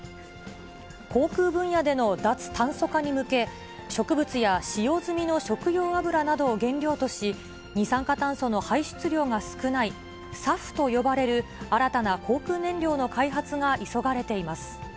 航空分野での脱炭素化に向け、植物や使用済みの食用油などを原料とし、二酸化炭素の排出量が少ないＳＡＦと呼ばれる新たな航空燃料の開発が急がれています。